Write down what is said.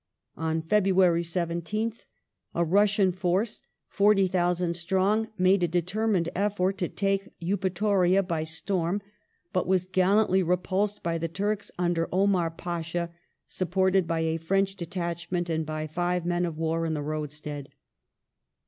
On February 17th a Russian force, 40,000 strong, made a deter mined effort to take Eupatoria by storm, but were gallantly re ■ pulsed by the Turks under Omar Pasha, supported by a French detachment and by five men of war in the roadstead.